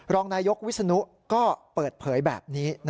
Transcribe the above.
รองนายกวิศนุแบบนี้